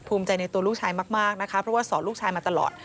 ภูมิใจในตัวลูกชายมากนะคะเพราะว่าสอนลูกชายมาตลอด